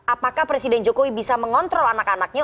apakah presiden jokowi bisa mengontrol anak anaknya